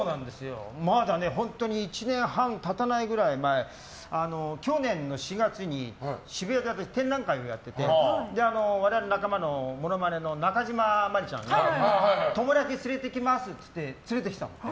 まだ本当に１年半経たないぐらい前去年の４月に渋谷で私、展覧会をやっていて我々仲間のモノマネの中島マリちゃんが友達連れてきますっていって連れてきたの。